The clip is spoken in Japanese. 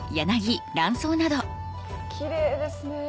キレイですね。